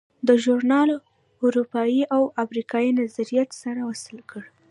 دا ژورنال اروپایي او امریکایي نظریات سره وصل کړل.